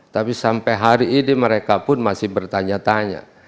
tapi sampai hari ini mereka pun masih bertanya tanya